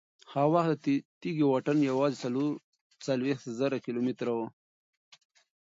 هغه وخت د تېږې واټن یوازې څلور څلوېښت زره کیلومتره و.